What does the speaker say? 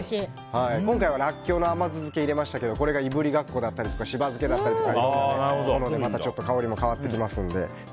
今回はラッキョウの甘酢漬けを入れましたけどいぶりがっこだったり柴漬けだったりするとまた香りも変わってきますので。